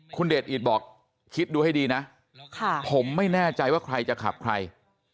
คุณเดชอิตบอกคิดดูให้ดีนะผมไม่แน่ใจว่าใครจะขับใคร